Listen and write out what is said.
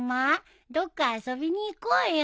どっか遊びに行こうよ。